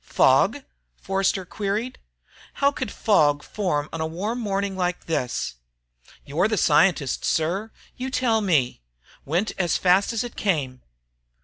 "Fog?" Forster queried. "How could fog form on a warm morning like this?" "You're the scientist, sir. You tell me. Went as fast as it came."